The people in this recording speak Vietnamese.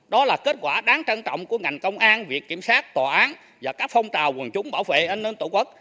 đó là kết quả đáng trân trọng của ngành công an việc kiểm soát tòa án và các phong trào quần chúng bảo vệ an ninh tổ quốc